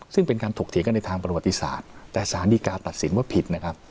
ซึ่งเป็นการถกเถียงกันในทางประวัติศาสตร์แต่สารดีการตัดสินว่าผิดนะครับ